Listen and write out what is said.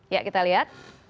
ya kita lihat